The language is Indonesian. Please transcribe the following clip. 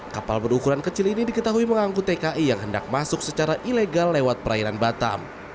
kapal berukuran kecil ini diketahui mengangkut tki yang hendak masuk secara ilegal lewat perairan batam